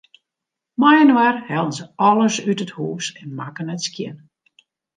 Mei-inoar hellen se alles út it hûs en makken it skjin.